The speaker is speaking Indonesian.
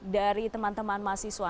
dari teman teman mahasiswa